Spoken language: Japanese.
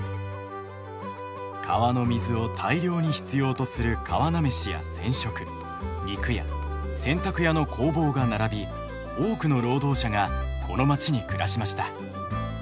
川の水を大量に必要とする「皮なめし」や「染色」「肉屋」「洗濯屋」の工房が並び多くの労働者がこの街に暮らしました。